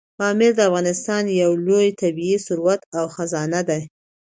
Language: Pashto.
پامیر د افغانستان یو لوی طبعي ثروت او خزانه ده.